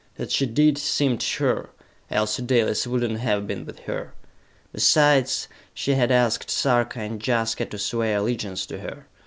That she did seemed sure, else Dalis would not have been with her. Besides, she had asked Sarka and Jaska to swear allegiance to her.